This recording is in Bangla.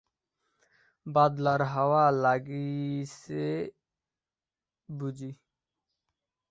বাদলার হাওয়া লাগিয়েছ বুঝি?